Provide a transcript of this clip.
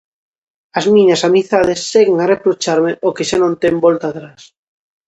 As miñas amizades seguen a reprocharme o que xa non ten volta atrás.